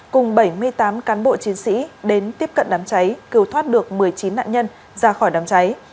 cùng bảy mươi tám cán bộ chiến sĩ đến tiếp cận đám cháy cứu thoát được một mươi chín nạn nhân ra khỏi đám cháy